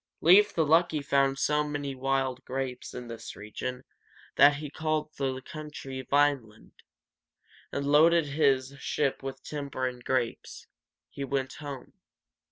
Leif the Lucky found so many wild grapes in this region that he called the country Vine´land, and loading his ship with timber and grapes, he went home.